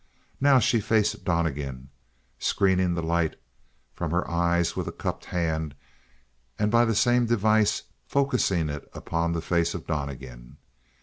Now she faced Donnegan, screening the light from her eyes with a cupped hand and by the same device focusing it upon the face of Donnegan.